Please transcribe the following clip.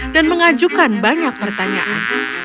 dan mengajukan banyak pertanyaan